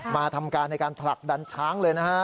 มาทำการในการผลักดันช้างเลยนะฮะ